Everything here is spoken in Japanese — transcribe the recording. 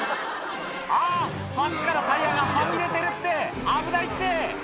あっ橋からタイヤがはみ出てるって危ないって！